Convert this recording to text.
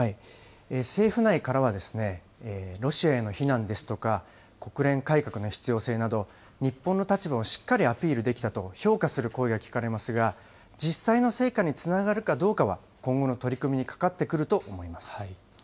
政府内からは、ロシアへの非難ですとか、国連改革の必要性など、日本の立場をしっかりアピールできたと評価する声が聞かれますが、実際の成果につながるかどうかは、今後の取り組みにかかってくると思います。